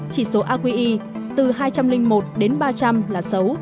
chỉ số aqi từ hai trăm linh một đến ba trăm linh là xấu